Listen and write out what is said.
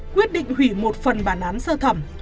quyết định hủy một phần bản án sơ thẩm